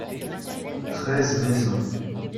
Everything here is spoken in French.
treize maisons.